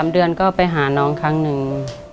๓เดือนก็ไปหาน้องครั้งหนึ่ง